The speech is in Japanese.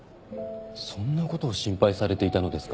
そんなことを心配されていたのですか？